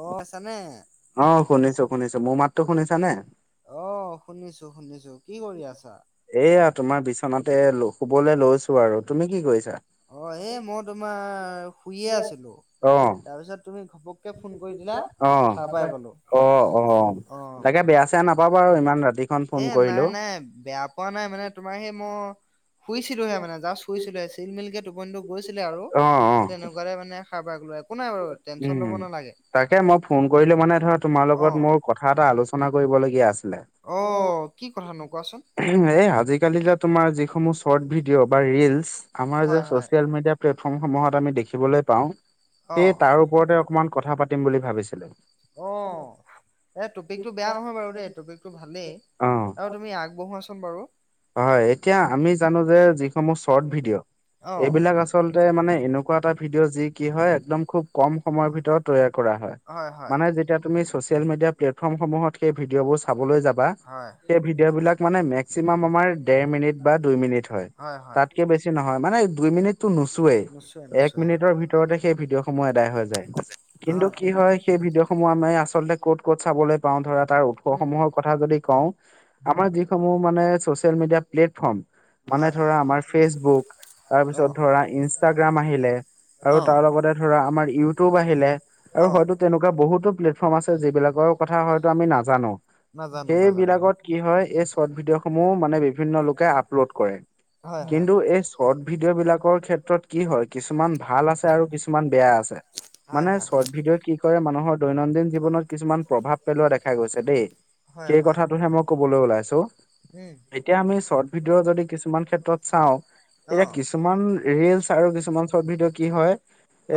অ চানে অ শুনিছো শুনিছো মোৰ মাতো শুনিছা নে? অ শুনিছো শুনিছো কি কৰি আছা? এয়া তোমাৰ বিচনাতে শুবলৈ লৈছো আৰু তুমি কি কৰিছা? অ এই মই তোমাৰ শুইয়ে আছিলো অ তাৰপিছত তুমি ঘপক! ফোন কৰি দিলা অ সাৰ পাই গলো অ অ অ! তাকে বেয়া চেয়া নাপাবা আৰু ইমান ৰাতিখন ফোন এ কৰিলো নাই নাই বেয়া পোৱা নাই মানে তোমাৰ সেই মই! শুইছিলোহে মানে জাষ্ট শুইছিলোহে চিল মিলকে টোপনিটো গৈছিলে আৰু অ অ তেনেকুৱাতে মানে! খাহ ভাগ লোৱা। উম তাকে মই ফোন কৰিলো মানে ধৰা তোমাৰ অ লগত মোৰ! কথা এটা আলোচনা কৰিবলগীয়া আছিলে! অ কি কথা? তেনেকুৱাচোন এই আজিকালি তোমাৰ যিসমূহ শৰ্ট ভিডিঅ' বা ৰিলচ। আমাৰ হয় যে হয় ছচিয়েল মিডিয়া প্লেটফৰ্মসমূহত আমি দেখিবলৈ পাওঁ। অ সেই তাৰ ওপৰতে অকমান কথা পাতিম বুলি ভাবিছিলো। অ এ টপিকতটো বেয়া নহয় বাৰু দেই টপিকতটো ভালেই আৰু তুমি আগবঢ়োৱাচোন বাৰু। হয় হয় এতিয়া আমি জানো যে যিসমূহ শৰ্ট ভিডিঅ' অ', এইবিলাক আচলতে মানে এনেকা! এ ভিডিঅ' যি কি হয় একদম কম সময়ৰ ভিতৰত তৈয়াৰ কৰা হয় মানে! যেতিয়া তুমি ছচিয়েল মিডিয়া প্লেটফৰ্মসমূহত! সেই ভিডিঅবোৰ চাবলৈ যাবা হয়, সেই ভিডিঅ' বিলাক মানে মেকচিমাম। মাৰ দেৰ মিনিট বা দুই মিনিট হয় তাতকে বেছি নহয় মানে দুই মিনিটতটো নুচোৱেই। নিশ্চয়, এক নিশ্চয়, মিনিটৰ ভিতৰতে সেই ভিডিঅ' সমূহ এদায় হৈ যায় কিন্তু কি হয় সেই ভিডিঅ'! সমূহ আমি আচলতে ক'ত ক'ত চাবলৈ পাও ধৰা তাৰ উম, উৎসসমূহৰ কথা যদি কওঁ। হয়, আমাৰ যিসমূহ মানে চচিয়েল মিডিয়া প্লেটফৰ্ম মানে হয়, ধৰা আমাৰ ফেচবুক। তাৰপিছত অ', ধৰা ইনষ্টাগ্ৰাম আহিলে। আৰু অ', তাৰ লগতে ধৰা আমাৰ ইউটিউব আহিলে আৰু অ', হয়তো তেনেকুৱা বহু। বহুতো প্লেতফম আছে যবিলাকৰ কথা হয়তো আমি নাজানো নাজানো, নাজানো, সেইবিলাকত কি হয়। চট ভিডিঅ' সমূহ মানে বিভিন্ন লোকে আপলোড কৰে। হয়, হয়, কিন্তু এই চৰ্ট ভিডিঅ' বিলাকৰ ক্ষেত্ৰত কি হয় কিছুমান ভাল আছে আৰু কিছুমান বেয়া আছে। হয়, মানে হয়, চৰ্ট ভিডিঅ' কি কৰে মানুহৰ দৈনন্দিন জীৱনত কিছুমান প্ৰভাৱ পেলোৱা দেখা গৈছে দেই। হয়, সেই কথাটোহে মই কবলৈ ওলাইছো। হুম এতিয়া আমি চৰ্ট ভিডিঅ' যদি কিছুমান ক্ষেত্ৰত চাওঁ। এতিয়া অ', কিছুমান ৰিলচ আৰু কিছুমান চৰ্ট ভিডিঅ' কি হয়।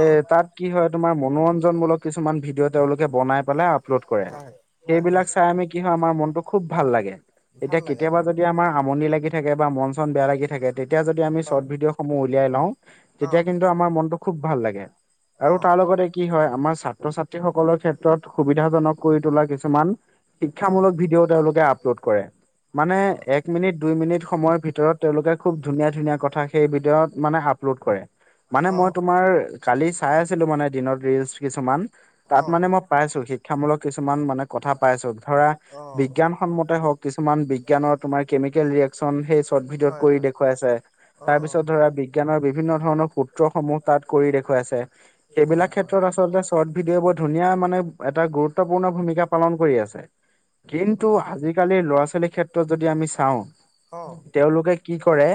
এ অ', তাত কি হয় তোমাৰ মনোৰঞ্জনমূলক কিছুমান ভিডিঅ' তেওঁলোকে বনাই পেলাই আপলোড কৰে। হয়। হয়, হয়, সেইবিলাক চাই আমি কি হয় আমাৰ মনতটো খুব ভাল লাগে ভাল এতিয়া লাগে, কেতিয়াবা ভাল যদি লাগে, আমাৰ আমনি লাগি! মন চন খোব বেয়া লাগি থাকে তেতিয়া যদি আমি চট অ', ভিডিঅ' সমূহ ওলিয়াই লও তেতিয়া অ', কিন্তু আমাৰ মনটো! খুব ভাল লাগে। আৰু অ', তাৰ লগতে কি হয় আমাৰ ছাত্ৰ ছাত্ৰী সকলৰ ক্ষেত্ৰত সুবিধাজনক কৰি তোলা কিছুমান! হয়, শিক্ষামূলক ভিডিঅও তেওঁলোকে আপলোড কৰে। মানে হয়, এক মিনিট দুই মিনিট সময়ৰ ভিতৰত তেওঁলোকে খুব ধুনীয়া ধুনীয়া কথা সেই ভিডিঅৰ মানে আপ! লম কৰে মানে অ', মই অ', তোমাৰ! কালি চাই আছিলো মানে দিনত ৰিলচ কিছুমান তাত অ', মানে ম! পাইছো শিক্ষামূলক কিছুমান মানে কথা পাইছো ধৰা বিজ্ঞানসন্মতে হওক কি! কিছুমান বিজ্ঞানৰ তোমাৰ কেমিকেল ৰিয়েকশচন সেই চৰ্ট ভিডিঅ'ত হয়, কৰি হয়, দেখুৱাইছে। তাৰ অ', অ', পিছত ধৰা বিজ্ঞানৰ বিভিন্ন ধৰণৰ পুত্ৰসমূহ তাত কৰি দেখুৱাই আছে। সেইবিলাক হয়, হয়, ক্ষেত্ৰত আচলতে চৰ্ট ভিডিঅ' বোৰ ধুনীয়া মানে! এটা গুৰুত্বপূৰ্ণ ভূমিকা পালন কৰি আছে কিন্তু হয়, হয়, আজিকালি ল'ৰা ছোৱা! ক্ষেত্ৰত যদি আমি চাওঁ অ', তেওঁলোকে কি কৰে?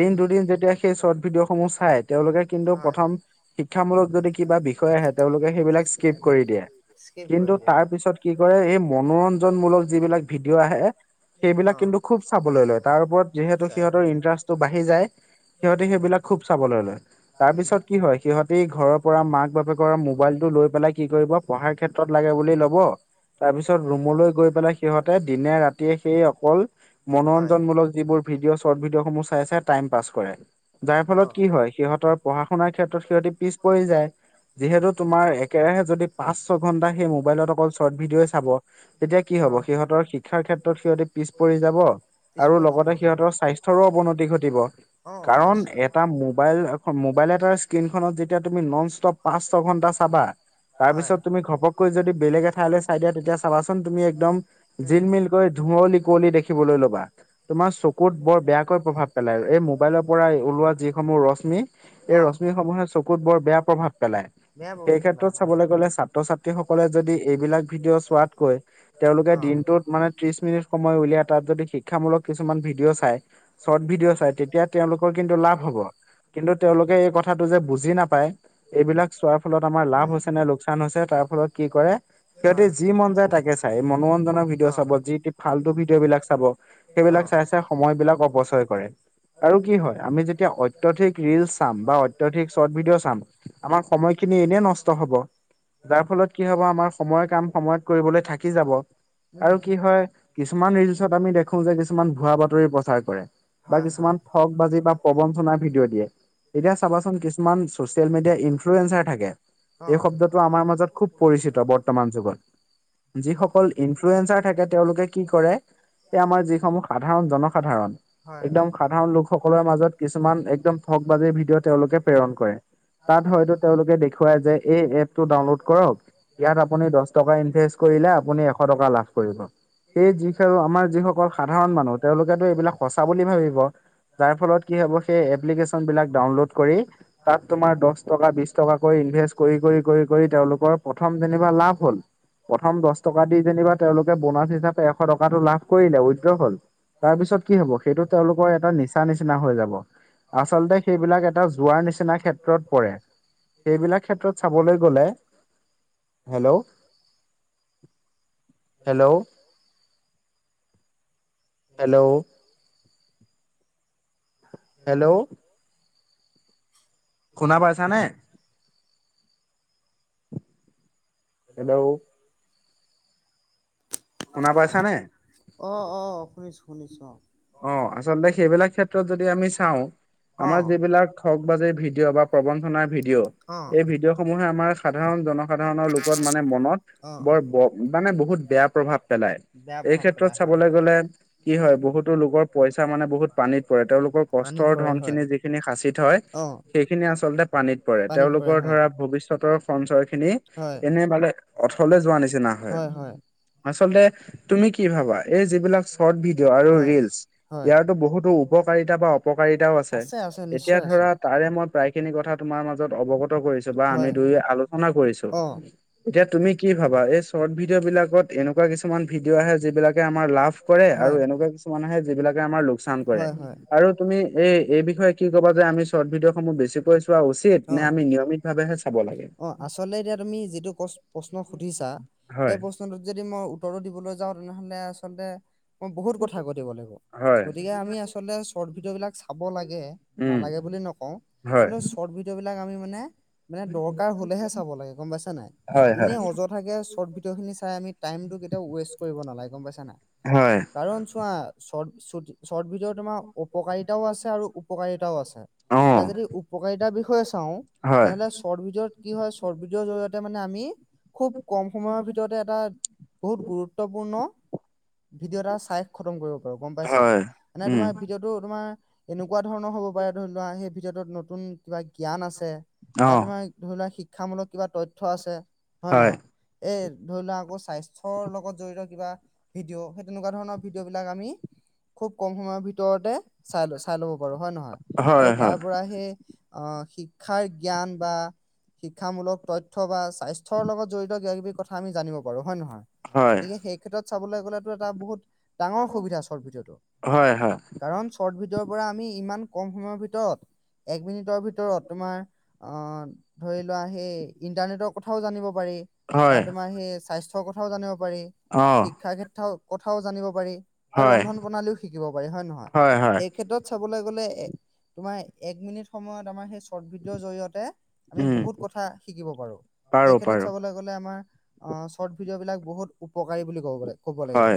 উম, দুদিন যেতিয়া সেই চৰ্ট ভিডিঅ' সমূহ চাই তেওঁলোকে কিন্তু হয়, প্ৰথম শ! শিক্ষামূলক যদি কিবা বিষয় আহে তেওঁলোকে সেইবিলাক উম, স্কিপ কৰি দিয়ে। স্কিপ কৰি কিন্তু দিয়া, তাৰ পিছত কি কৰে এই! মনোৰঞ্জনমূলক যিবিলাক ভিডিঅ' আহে সেইবিলাক অ', কিন্তু খুব চাবলৈ লয় তাৰ ওপৰত। খুব যিহেতু চাই হয়। সিহঁতৰ ইণ্টাৰেষ্টটো বাঢ়ি যায়। সিহঁতে অ', সেইবিলাক খুব চাবলৈ লয় তাৰ উম, পিছত কি হয় সিহঁতে ঘৰৰ পৰা মাক বাপেকৰ মোবাইলটো লৈ। পেলাই কি কৰিব পঢ়াৰ ক্ষেত্ৰ! লাগে বুলি লব তাৰ পিছত উম, ৰুমলৈ গৈ পেলাই সিহতে দিনে ৰাতি! সেই অকল হয়, মনোৰঞ্জনমূলক যিবোৰ ভিডিঅ' চৰ্ট ভিডিঅ' সমূহ চাই চাই টাইম পাছ কৰে। যাৰ ফলত অ', কি হয় সিহঁতৰ পঢ়া শুনাৰ ক্ষেত্ৰত সিহঁতি পিছ পৰি যায়। যিহেতু তোমাৰ একেৰাহে যদি পাঁচ ছ ঘন্টা সেই মোবাইলত অকল চৰ্ট ভিডিঅ' চাব। তেতিয়া কি হ'ব অ', সিহঁতৰ শিক্ষাৰ ক্ষেত্ৰত! সিহঁতে পিছ পৰি যাব পিছ আৰু পৰি যাব লগতে হয়। স্বাস্থ্যতৰো অবনতি ঘটিব। অ', কাৰণ নিশ্চয় এটা মোবাইল মোবাইল এটাৰ স্ক্ৰীনখনত যেতিয়া তুমি নন ষ্টপ পাঁচ ছ ঘন্টা চাবা! হয়, তাৰপিছত তুমি ঘপকৈ যদি বেলেগ এঠাইলৈ চাই দিয়া তেতিয়া চাবাচোন তুমি একদম উম, জিল মিল! ধুঁৱলি- কুঁৱলী দেখিবলৈ ল'বা তুমাৰ চকুত বৰ বেয়াকৈ প্ৰভাৱ পেলাই আৰু এই! মোবাইলৰ পৰাই ওলোৱা যিসমূহ ৰশ্মি এই অ', ৰশ্মিসমূহে চকুত বৰ বেয়া প্ৰভাৱ পেলায়। বেয়া প্ৰভাৱ সেই পেলাই ক্ষেত্ৰত হয়, চাবলৈ গলে ছাত্ৰ ছাত্ৰী সকলে যদি এইবিলাক ভিডিঅ' চোৱাতকৈ। তেওঁলোকে অ', দিনটোত মানে। ত্ৰিশ মিনিট সময় উলিয়াই ত যদি শিক্ষা মুলক কিছুমান ভিডি চ চৰ্ত ভিডিঅ ভিডিঅ চাই তেতিয়া হলে! তেওঁলোকৰ কিন্তু লাভ হ'ব কিন্তু তেওঁলোকে এই কথাটো যে বুজি নাপায়। এইবিলাক চোৱাৰ ফলত আমাৰ লাভ উম, হৈছে নে, লোকচান হৈছে তাৰ ফলত কি কৰে। সিহঁতি হয়, যি মন যায় তাকে চাই, মনোৰঞ্জনৰ ভিডিঅ' অ', চবত। য' ফাল্টু ভিডিঅ বিলাক চাব, সেইবিলাক চ অ', চাই সময় বিলাক অচয় কৰে। আৰু কি হয় আমি যেতিয়া অত্যাধিক ৰিলচ চাম বা অত্যাধিক শৰ্ট ভিডিঅ' চাম। আমাৰ সময়খিনি এনেই নষ্ট হব। যাৰ ফলত কি হব আমাৰ সময়ৰ কাম সময়ত কৰিবলৈ থাকি যাব। উম, আৰু কি হয়, কিছুমান ৰিত আমি দেখো যে কিছুমান ভুৱা বাতৰি প্ৰচাৰ কৰে বা হয়, হয়, কিছুমান। ঠগ বাজি বা প্ৰবঞ্চনাৰ ভিডিঅ' দিয়ে। এতিয়া চাবাচোন কিছুমান ছচিয়েল মিডিয়াৰ ইনফ্লুৱেঞ্চাৰ থাকে। এই অ', শব্দটো আমাৰ মাজত খুব পৰিচিত বৰ্তমান যুগত যিসকল ইনফ্লয়েঞজাৰ। তেওঁলোকে কি কৰে, এ' আমাৰ যিসমূহ সাধাৰণ- জনসাধাৰণ। হয়, হয়। একদম সাধাৰণ লোকসকলৰ মাজত কিছুমান একদম ঠগ বাজিৰ ভিডিঅ' তেওঁলোকে প্ৰেৰণ কৰে। তাত হয়টো তেঁওলোকে এইটো দেখুৱাই যে এই এপ টো আপোনালোকে ডাউনলোড কৰক তাত আপুনি দছ টকা! কৰিলে আপুনি এশ টকা লাভ! সেই যি আমাৰ যিসকল সাধাৰণ মানুহ তেওঁলোকেতো এইবিলাক সঁচা বুলি ভাবিব। যাৰ ফলত কি হব খেই এপলিকেচন বিলাক ডাউনলোড কৰি তাত তোমাৰ দচ! টকা বিশ টকাকৈ, ইনভেষ্ট কৰি, কৰি - কৰি কৰি তেওঁলোকৰ প্ৰথম যেনিবা লাভ হ'ল। প্ৰথম দচ টকা দি যেনিবা তেওঁলোকে বনাছ হিচাপে এশ টকাটো লাভ কৰিলে উইড্ৰ হ'ল। তাৰ পিছত কি হ'ব সেইটো তেওঁলোকৰ এটা নিচা নিচিনা হৈ যাব। আচলতে সেইবিলাক এটা যোৱাৰ নিচিনা ক্ষেত্ৰত পৰে। সেইবিলাক ক্ষেত্ৰত চাবলৈ গলে, হেল্ল'। হেল্ল' হেল্ল' হেল্ল' শুনা পাইছা নে? হেল্ল' শুনা পাইছানে? অ' আহ শুনিছো শুনিছো অ' আচলতে সেইবিলাক ক্ষেত্ৰত যদি আমি চাওঁ। আমাৰ অ', যিবিলাক ঠগ বাজি ভিডিঅ' বা প্ৰবঞ্চনাৰ ভিডিঅ'। অ', অ', এই ভিডিঅ' সমূহে আমাৰ সাধাৰণ- জনসাধাৰণৰ লোকত মানে মনত অ', বৰ ব! মানে বহুত বেয়া প্ৰভাৱ পেলাই, বেয়া এই প্ৰভাৱ ক্ষেত্ৰত পেলাই হয়, চাবলৈ গলে কি উম, হয় বহুত। তেওঁলোকৰ পইচা মানে বহুত পানীত পৰে, তেওঁলোকৰ পানীত কষ্টৰ পৰে ধন হয়, খিনি যিখিনি শাঁচি থয়। অ', সেইখিনি আচল্ততে পানীত পৰে, পানীত তেওঁলোকৰ হয়, ধৰা ভৱিষ্যতৰ সঞ্চয় খিনি। হয়, এনে মানে অথলে যোৱা নিচিনা হয়। আচলতে তুমি কি ভাবা, এই যিবিলাক চৰ্ট ভিডিঅ' আৰু। হয়, হয়, ইয়াৰো বহুতো উপকাৰিতা বা, অপকাৰিতাও আছে এতিয়া ধৰা। তাৰে মই প্ৰায় খিনি কথা তোমাৰ মাজত অৱগত কৰিছো বা আমি হয়, দুয় আলোচনা কৰিছো। অ', এতিয়া তুমি কি ভাবা, এই শৰ্ট ভিডিঅ' বিলাকত এনেকুৱা কিছুমান ভিডিঅ' আহে যিবিলাকে আমাৰ লাভ! কৰে আৰু হয়। এনেকুৱা! মানুহে যিবিলাকে আমাৰ লোকচান কৰে, হয় হয় আৰু তুমি এই এই বিষয়ে কি ক'ব যে আমি। চৰ্ট ভিডিঅ'সমূহ বেছিকৈ চোৱা উচিত, অ নে আমি নিয়মিতভাৱেহে চাব লাগে? অ আচলতে এতিয়া তুমি যিটো ক প্ৰশ্ন সুধিছা সেই হয়, প্ৰশ্ন। যদি মই উত্তৰো দিবলৈ যাওঁ তেনেহলে আচলতে, মই বহুত কথা ঘতিব লাগিব। হয়, গতিকে আমি আচলতে শৰ্ট ভিডিঅ'বিলাক চাব লাগে, উম, নালাগে বুলি নকওঁ। হয়, কিন্তু চৰ্ট ভিডিঅ' বিলাক আমি মানে! মানে দৰকাৰ হলেহে চাব লাগে গম পাইছা নাই হয়, হয়, এনে অজ! তাকে চৰ্ট ভিডিঅ খিনি চাই আমি টাইমটো কেতিয়া ৱেষ্ট কৰিব নালাগে গম পাইচা নাই? হয় কাৰণ চোৱা শ্বৰ্ট চুত শ্বৰ্ট ভিদিওত তোমাৰ অপকাৰিতাও আছে আৰু উপকাৰিতাও আছে। এতিয়া অ', যদি উপকাৰিতাৰ বিষয়ে চাওঁ! হয়, তেনেহ'লে চৰ্ট ভিডিঅ'ত কি হয় চৰ্ট ভিদিঅ'ৰ জৰিয়তে মানে আমি! খুব কম সময়ৰ ভিতৰতে এটা বহুত গুৰুত্বপূৰ্ণ ভিডিঅ' এটা চাই! খতম কৰিব পাৰো গম পাইছা হয়, মানে উম, তোমাৰ ভিডিঅ'টো তোমাৰ এনেকুৱা ধৰণৰ হ'ব পাৰে ধৰি লোৱা সেই! ভিডিওটোত নতুন কিবা জ্ঞান আছে বা অ', তোমাৰ ধৰি লোৱা শিক্ষামূলক কিবা তথ্য আছে। হয় নহয় এই ধৰি লোৱা আকৌ স্বাস্থ্যৰ লগত জড়িত কিবা। ভিডিঅ' সেই তেনেকুৱা ধৰণৰ ভিডিঅ'বিলাক আমি! খুব কম সময়ৰ ভিতৰতে চাই চাই ল'ব পাৰো হয় নহয়? আৰু হয়, হয়, তাৰ পৰা সেই আহ শিক্ষাৰ জ্ঞান বা! শিক্ষামূলক তথ্য বা স্বাস্থ্যৰ লগত জড়িত কিবাকিবি কথা আমি জানিব পাৰোঁ হয় নহয়? হয়, গতিকে সেই ক্ষেত্ৰত চাবলৈ গ'লেতো এটা বহুত! ডাঙৰসু বিধা চৰ্ট ভিডিঅ'টো হয়, হয়, কাৰণ চৰ্ট ভিডিঅ'ৰ পৰা আমি ইমান কম সময়ৰ ভিতৰত! ভিতৰত এক মিনিটৰ ভিতৰত তোমাৰ! আহ ধৰি লোৱা সেই ইণ্টাৰনেটৰ কথাও জানিব পাৰি। হয়, বা তোমাৰ সেই স্বাস্থ্যৰ কথাও জানিব পাৰি অ', শিক্ষা ক্ষেত্ৰৰ কথাও জানিব পাৰি। আৰু হয়, ৰন্ধন প্ৰণালীও শিকিব পাৰি হয়ে নহয় হয়, হয়, সেই ক্ষেত্ৰত চাবলৈ গ'লে এ! তোমাৰ এক মিনিট সময়ত আমাৰ সেই! চৰ্ট ভিডিঅৰ জৰিয়তে আমি উম, বহুত কথা শিকিব পাৰো পাৰো, সেই ক্ষেত্ৰত পাৰো, চাবলৈ! গলে আমাৰ আহ চৰ্ট ভিডিঅ' বিলাক বহুত উপকাৰী বুলি কব কব লাগিব। হয়,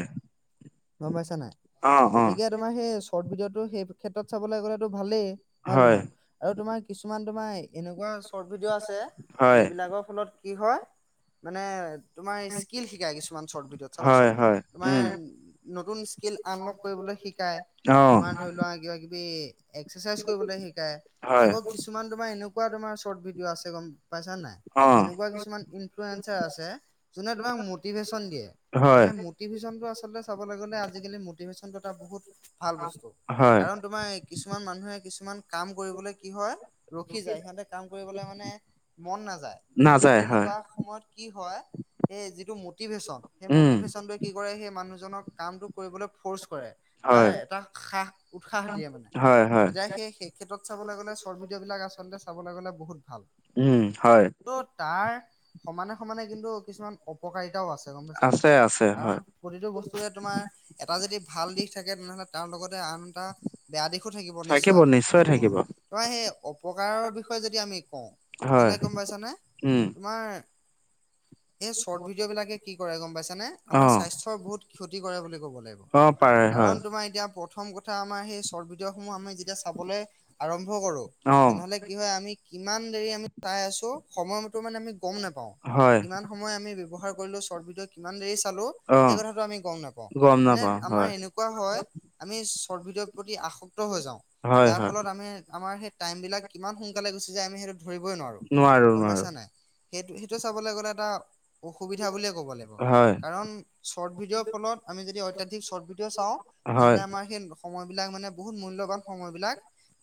গম পাইছা নাই অ', অ', গতিকে তোমাৰ সেই চৰ্ট ভিডিঅ'টো সেই ক্ষেত্ৰত চাবলৈ গ'লেতো ভালেই। হয় নহয় আৰু তোমাৰ কিছুমান তোমাৰ এনেকুৱা! চৰ্ট ভিডিঅ' আছে হয়, যিবিলাকৰ ফলত কি হয় মানে! তোমাৰ স্কিল শিকায় কিুমান চৰ্ট ভিডিঅত হয়, চাবাচোন। হয়, উম, তোমাৰ নতুন স্কিল আনলক কৰিবলৈ শিকাই অ', তোমাৰ ধৰি লোৱা কিবা কিবি। বি এক্সাৰচাইজ কৰিবলৈ শিকাই। হয়, কিছুমান তোমাৰ এনেকুৱা তোমাৰ চৰ্ট ভিডিঅ' আছে গম পাইছা নাই? অ', এনেকুৱা কিছুমান ইনফ্লুৱেনছাৰ আছে যোনে তোমাক মটিভেশ্যন দিয়ে হয়, মানে মত! মটিভেশ্যনটো আচলতে চাব গলে আজিকালি মটিভেশ্যন টা বহুত! ভাল বস্তু হয়, কাৰণ তোমাৰ কিছুমান মানুহে! কিছুমান কাম কৰিবলৈ কি হয় ৰখি যায় সিহতে কাম কৰিবলৈ মানে মন নাযায়। কিন্তু নাযায় হয়। তেনেকুৱা সময়ত কি হয় সেই যিটো মটিভেশ্বন সেই উম, মটিভেশ্যন টোৱে কি কৰে সেই মানুহজনক! কামটো কৰিবলৈ ফৰ্চ কৰে বা হয়, এটা সাহ উৎসাহ দিয়ে মানে। হয়, হয়, এতিয়া সেই সেই ক্ষেত্ৰত চাবলৈ গ'লে চৰ্ট ভিডিঅ' বিলাক আচলতে চাবলৈ গ'লে বহুত ভাল। উম হয় ত' তাৰ সমানে সমানে কিন্তু কিছুমান অপকাৰিতাও আছে গম পাইছানে আছে, আছে, হয়, কাৰণ! প্ৰতিটো বস্তুৰে তোমাৰ এটা যদি ভাল দিশ থাকে তেনেহ'লে তাৰ লগতে আন এটা বেয়া দিশো থাকিব। নিশ্চয় অ তোমাৰ সেই অপকাৰৰ বিষয়ে যদি আমি কওঁ হয়, এনে গম পাইছানে? উম, তোমাৰ এই চৰ্ট ভিডিঅ' বিলাকে কি কৰে গম পাইছ নে আমাৰ অ', স্বাস্থ্যৰ বহুত ক্ষতি কৰে বুলি ক'ব লাগিব। অ', পাৰে, কাৰণ হয়, তোমাৰ এতিয়া প্ৰথম কথা আমাৰ সেই চৰ্ট ভিদিও। বোৰ আমি যেতিয়া চাবলৈ আৰম্ভ কৰো অ', তেনেহলে কি হয় আমি! কিমান দেৰি আমি চাই আছো সময়মতো মানে আমি! গম নেপাওঁ হয়, কিমান সময় আমি ব্যৱহাৰ কৰিলোঁ চৰ্ট ভিডিঅ' কিমান দেৰি চালোঁ। অ', সেই কথাটো আমি গম নাপাওঁ গম মানে নাপাওঁ আমাৰ হয় এনেকুৱা! এনেকুৱা হয় আমি চৰ্ট ভিডিঅ প্ৰতি আসক্ত হৈ যাওঁ হয় যাৰ হয় ফলত আমি আমাৰ সেই! টাইম বিলাক কিমান সোনকালে গুছি যায় আমি সেইটো ধৰিবই নোৱাৰো গম পাইছা নাই? সেইটো সেইটো চাবলৈ গ'লে এটা অসুবিধা বুলিয়ে ক'ব লাগিব হয় কাৰণ! চৰ্ট ভিডিঅ'ৰ ফলত আমি যদি অত্যাধিক চৰ্ট ভিডিঅ' চাওঁ হয় তেনেহ'লে আমাৰ সেই সময়বিলাক মানে! বহুত মূল্যৱান সময়বিলাক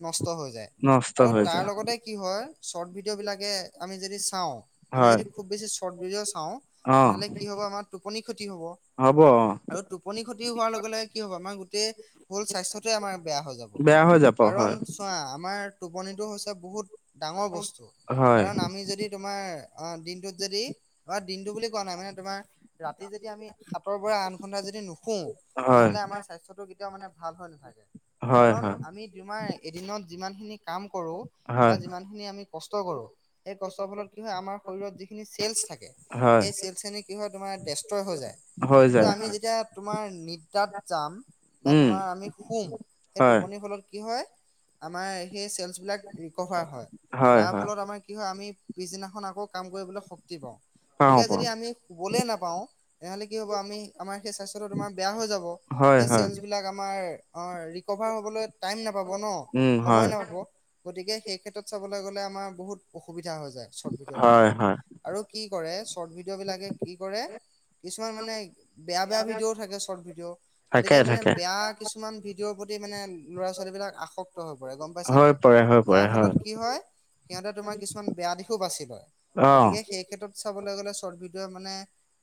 নষ্ট হৈ যায় নষ্ট আৰু হৈ তাৰ যায় লগতে কি হয়। চৰ্ট ভিডিঅ' বিলাকে আমি যদি চাওঁ। আমি হয় যদি খুব বেছি চৰ্ট ভিডিঅ চাওঁ অ তেনেহ'লে কি হ'ব আমাৰ টোপনি ক্ষতি হব। হ'ব অ আৰু টোপনি খতি হোৱাৰ লগে লগে কি হ'ব আমাৰ গোটেই হ'ল স্বাস্থ্যটোৱে আমাৰ! বেয়া হৈ যাব বেয়া হৈ যাব কাৰণ! হয় চোৱা আমাৰ টোপনিটো হৈছে বহুত ডাঙৰ বস্তু হয় কাৰণ আমি যদি! তোমাৰ অ দিনটোত যদি অ দিনটো বুলি কোৱা নাই মানে তোমাৰ! ৰাতি যদি আমি হাতৰ পৰা আঠ ঘণ্টা যদি নুশো হয় তেনেহলে আমাৰ স্বাস্থ্যটো! মানে ভাল হৈ নাথাকে হয় কাৰণ হয় আমি তোমাৰ এদিনত যিমানখিনি! কাম কৰোঁ বা হয় যিমানখিনি আমি কষ্ট কৰোঁ! সেই কষ্টৰ ফলত কি হয়, আমাৰ শৰীৰত যিখিনি চেলছ থাকে। হয় সেই চেলছ খিনি কি হয় তোমাৰ দেষ্টৰ হৈ যায়। হৈ কিন্তু যায় আমি যেতিয়া তোমাৰ নিদ্ৰাত যাম বা উম তোমাৰ আমি শুম। সেই হয় টোপনিৰ ফলত কি হয় আমাৰ সেই চেলছ বোৰ! বিলাক ৰিকভাৰ হয় তাৰ ফলত আমাৰ কি হয়, আমি পিছদিনাখন আকৌ কাম কৰিবলৈ শক্তি পাওঁ। পাওঁ গতিকে যদি পাওঁ আমি শুবলে নাপাওঁ তেনেহ'লে কি হব আমি আমাৰ সেই স্বাস্থ্যটো তোমাৰ বেয়া হৈ যাব। হয় সেই হয়। চেলচ বিলাক আমাৰ অহ ৰিক'ভাৰ ‌হবলে টাইম নাপাব নহ, উম হয় সময় নাপাব। গতিকে সেই ক্ষেত্ৰত চাবলৈ গলে আমাৰ বহুত অসুবিধা হৈ যায়। চট ভিডিঅ ত। হয় হয় আৰু কি কৰে চৰ্ট ভিডিঅ' বিলাকে কি কৰে। কিছুমান মানে বেয়া বেয়া ভিডিঅ'ও থাকে চৰ্ট ভিডিঅ' থাকে গতিকে মানে থাকে বেয়া! কিছুমান ভিডিঅ'ৰ প্ৰতি মানে ল'ৰা ছোৱালী বিলাক আসক্ত হৈ পৰে গম পাইছা হৈ নাই? পৰে হৈ পৰে যাৰ ফলত কি হয় সিহঁতে তোমাৰ কিছুমান বেয়া দিশো বাচি লয়। অ গতিকে সেই ক্ষেত্ৰত! চাবলৈ গ'লে চৰ্ট ভিডিঅ' মানে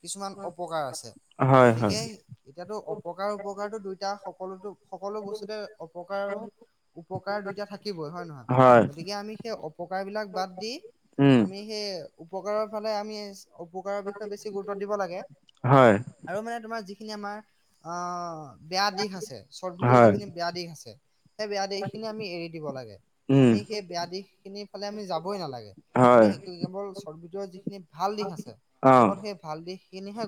কিছুমান অপকাৰ আছে হয় হয় গতিকে! এতিয়াতো অপকাৰ উপকাৰতো দুইটা সকলোতো সকলো! অপকাৰ আৰু উপকাৰ দুইটা থাকিবই হয় নহয়? হয় গতিকে আমি সেই! অপকাৰবিলাক বাদ দি উম আমি সেই উপকাৰৰ ফালে আমি! উপকাৰৰ বিষয়ে বেছি গুৰুত্ব দিব লাগে। হয় আৰু মানে তোমাৰ যিখিনি আমাৰ অ বেয়া দিশ আছে চৰ্ট ভিতৰত যি। হয়, বেয়া দিশ আছে সেই বেয়া দিশ খিনি আমি এৰি দিব লাগে। উম, আমি সেই বেয়া দিশ খিনিৰ ফালে আমি যাবই নালাগে। আমি হয়, কেৱল ‍চৰ্ত ভিডিঅ যিখিনি ভাল দিশ আছে অ'। কেৱল সেই ভাল দিশখিনিহে!